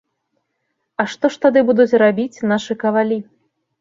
А што ж тады будуць рабіць нашы кавалі?